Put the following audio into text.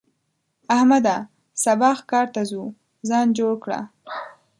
احمده! سبا ښکار ته ځو؛ ځان جوړ کړه.